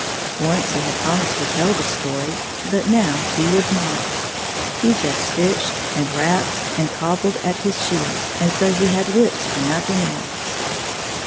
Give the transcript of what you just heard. Once he had promised to tell the story, but now he would not. He just stitched and rapped and cobbled at his shoes as though he had wits for nothing else.